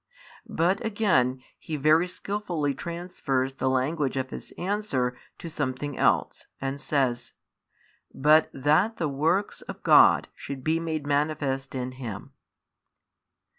But again He very skilfully transfers the language of His answer to something else and says; But that the works of God should be made manifest in him.